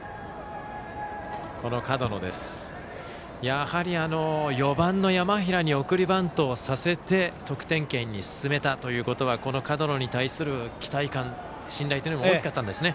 やはり、４番の山平に送りバントさせて得点圏に進めたということは門野に対する期待感、信頼も大きかったんですね。